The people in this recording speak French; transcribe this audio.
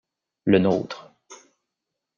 Le nôtre.